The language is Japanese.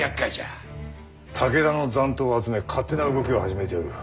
武田の残党を集め勝手な動きを始めておる。